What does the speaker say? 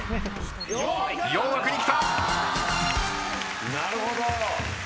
４枠に来た！